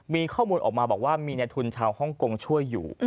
มีข้อมูลออกมาบอกว่ามีในทุนชาวฮ่องกงช่วยอยู่